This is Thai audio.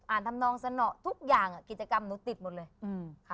อ่านทำน้องเสน่าทุกอย่างอ่ะกิจกรรมหนูติดหมดเลย